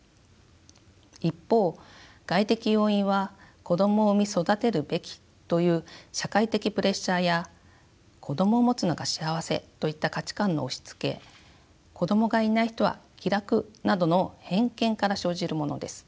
一方外的要因は子どもを産み育てるべきという社会的プレッシャーや子どもを持つのが幸せといった価値観の押しつけ子どもがいない人は気楽などの偏見から生じるものです。